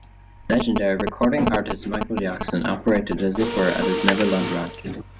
Legendary recording artist Michael Jackson operated a Zipper at his Neverland Ranch.